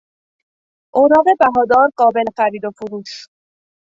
اوراق بهادار قابل خرید و فروش